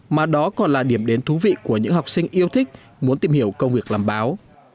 mà đó còn là điểm đến thú vị của những học sinh yêu thích muốn tìm hiểu công việc làm báo